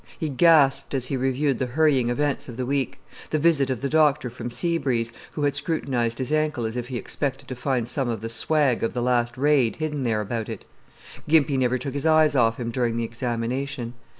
He gasped as he reviewed the hurrying events of the week: the visit of the doctor from Sea Breeze, who had scrutinized his ankle as if he expected to find some of the swag of the last raid hidden somewhere about it. Gimpy never took his eyes off him during the examination.